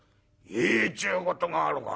「いいっちゅうことがあるか。